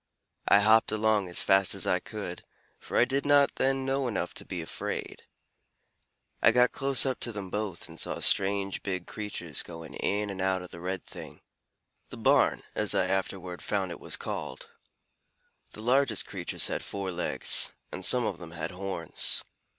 I hopped along as fast as I could, for I did not then know enough to be afraid. I got close up to them both, and saw strange, big creatures going in and out of the red thing the barn, as I afterward found it was called. The largest creatures had four legs, and some of them had horns.